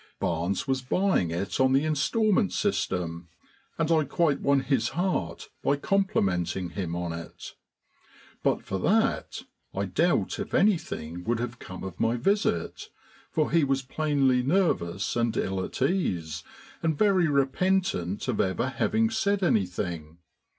Barnes was buying it on the instalment system, and I quite won his heart by complimenting him on it. But for that, I doubt if anything would have come of my visit, for he was plainly nervous and ill at ease and very repentant of ever having said anything.